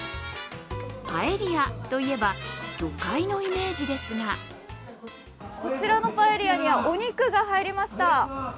パエリアといえば魚介のイメージですがこちらのパエリアにはお肉が入りました。